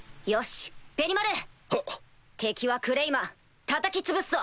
敵はクレイマンたたき潰すぞ！